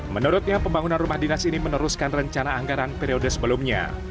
menurutnya pembangunan rumah dinas ini meneruskan rencana anggaran periode sebelumnya